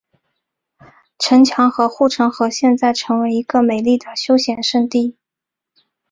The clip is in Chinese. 城墙和护城河现在成为一个美丽的休闲胜地。